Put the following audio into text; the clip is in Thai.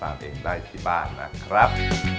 ตัวเองได้ที่บ้านนะครับ